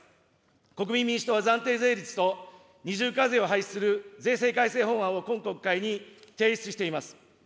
国民民主党は暫定税率と二重課税を廃止する税制改正法案を今国会に提出しています。